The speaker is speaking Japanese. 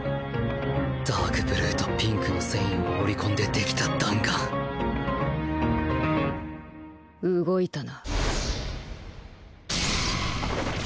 ダークブルーとピンクの繊維を織りこんで出来た弾丸動いたな。